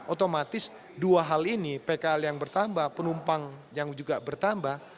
otomatis dua hal ini pkl yang bertambah penumpang yang juga bertambah